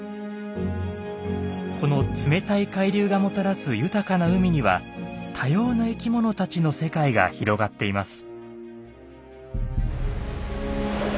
この冷たい海流がもたらす豊かな海には多様な生きものたちの世界が広がっています。